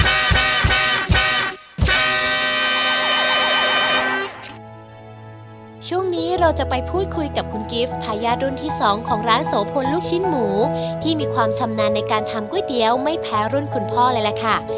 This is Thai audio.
ช่วงนี้เราจะไปพูดคุยกับคุณกิฟต์ทายาทรุ่นที่๒ของร้านโสพลลูกชิ้นหมูที่มีความชำนาญในการทำก๋วยเตี๋ยวไม่แพ้รุ่นคุณพ่อเลยล่ะค่ะ